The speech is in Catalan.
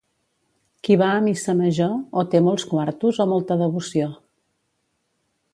Qui va a missa major, o té molts quartos o molta devoció.